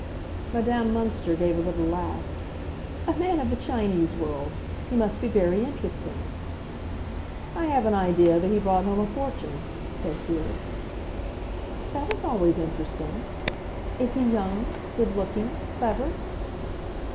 Madame Münster gave a little laugh. "A man of the Chinese world! He must be very interesting." "I have an idea that he brought home a fortune," said Felix. "That is always interesting. Is he young, good looking, clever?"